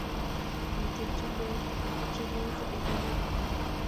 Miten chumbek che koitu en Amerika.